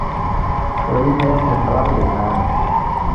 ஒளிமையம் என்றால் என்ன?